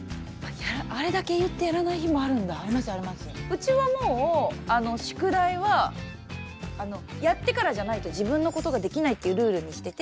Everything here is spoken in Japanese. うちはもう宿題はやってからじゃないと自分のことができないっていうルールにしてて。